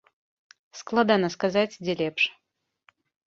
Складана сказаць, дзе лепш.